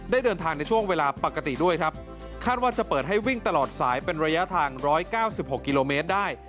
ได้เดินทางในช่วงเวลาปกติด้วยครับคาดว่าจะเปิดให้วิ่งตลอดสายเป็นระยะทาง๑๙๖กิโลเมตรได้